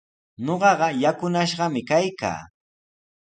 Ñuqaqa yakunashqami kaykaa.